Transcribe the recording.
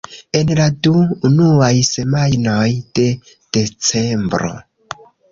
En la du unuaj semajnoj de Decembro.